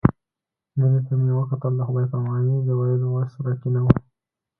مينې ته مې وکتل د خداى پاماني د ويلو وس راکښې نه و.